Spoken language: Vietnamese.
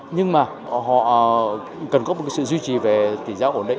nhưng mà họ cần có một sự duy trì về tỷ giá ổn định